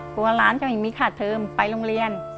กลัวหลานจะไม่มีค่าเทิมไปโรงเรียน